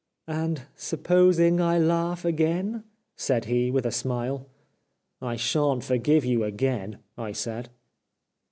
" And supposing I laugh again ?" said he, with a smile. '' I sha'n't forgive you again," I said.